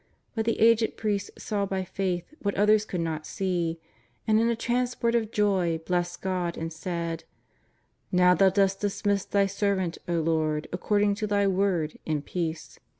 But the aged priest saw by faith what others could not see, and in a transport of joy blessed God and said: " Now Thou dost dismiss Thy servant, O Lord, ac cording to Thy word in peace.